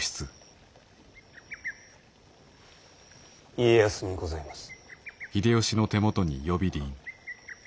家康にございます。